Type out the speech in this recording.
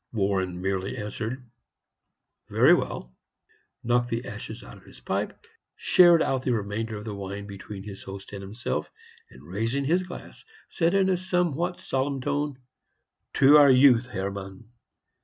Warren merely answered, "Very well," knocked the ashes out of his pipe, shared out the remainder of the wine between his host and himself, and, raising his glass, said, in a somewhat solemn tone, "To our youth, Hermann!"